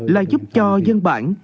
là giúp cho dân bản